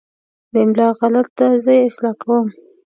دا املا غلط ده، زه یې اصلاح کوم.